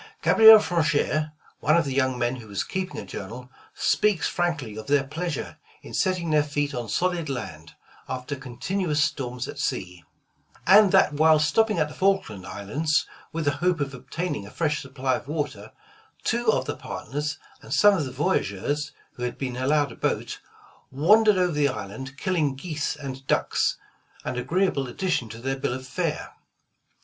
Gabriel Franchere, one of the young men who was keeping a journal, speaks frankly of their pleasure in setting their feet on solid land, after continuous storms at sea, and that while stopping at the Falkland Islands, 160 Voyage of the Tonquin with the hope of obtaining a fresh supply of water, two of the partners and some of the voyageurs, who had been allowed a boat, wandered over the island killing geese and ducks, an agreeable addition to their bill of fare.